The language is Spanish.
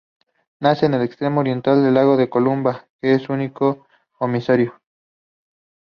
Nace en el extremo oriental del lago Columna, que es su único emisario.